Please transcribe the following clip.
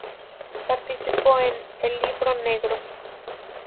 Participó en "El Libro negro".